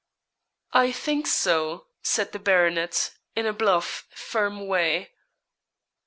'I think so,' said the baronet, in a bluff, firm way.